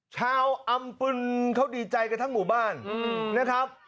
ชาวอำปริญเค้าดีใจกับทั้งหมู่บ้านนะครับ